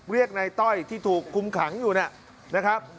เรียกในต้อยที่ถูกคุมขังอยู่นะครับ